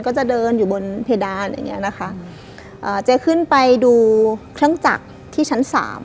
ก็จะเดินอยู่บนเพดานอย่างเงี้ยนะคะอ่าเจ๊ขึ้นไปดูเครื่องจักรที่ชั้นสาม